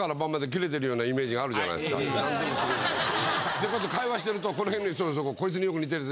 でこうやって会話してるとこの辺のそうそうこいつによく似てる奴